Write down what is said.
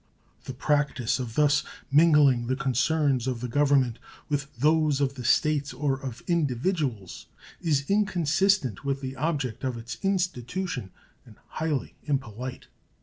The practice of thus mingling the concerns of the Government with those of the States or of individuals is inconsistent with the object of its institution and highly impolite.